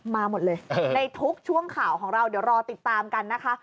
มาหมดเลยในทุกช่วงข่าวของเราเดี๋ยวรอติดตามกันนะคะ